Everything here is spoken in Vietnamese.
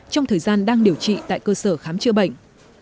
trong thời gian đang điều trị tại cơ sở khám chữa bệnh